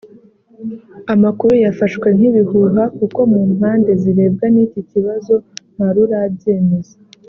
amakuru yafashwe nk’ibihuha kuko mu mpande zirebwa n’iki kibazo ntarurabyemeza